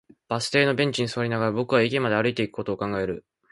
バス停のベンチに座りながら、僕は駅まで歩いていくことを考える